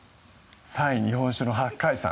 ３位日本酒の「八海山」